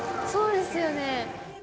そうですよね。